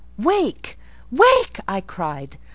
"Wake! wake!" I cried.